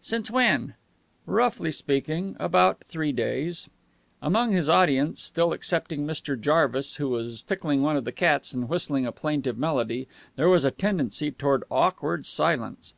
"Since when?" "Roughly speaking, about three days." Among his audience (still excepting Mr. Jarvis, who was tickling one of the cats and whistling a plaintive melody) there was a tendency toward awkward silence.